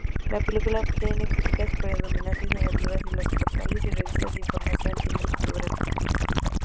La película obtiene críticas predominantemente negativas en los portales y revistas de información cinematográfica.